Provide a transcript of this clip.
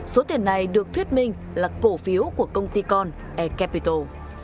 số tiền này được thuyết minh là cổ phiếu của công ty con ecapital